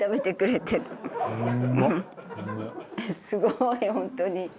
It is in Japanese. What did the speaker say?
すごい本当に。